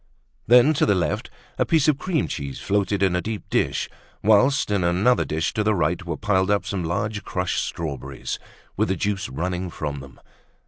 Then, to the left, a piece of cream cheese floated in a deep dish; whilst in another dish to the right, were piled up some large crushed strawberries, with the juice running from them.